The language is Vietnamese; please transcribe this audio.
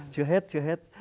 chưa hết chưa hết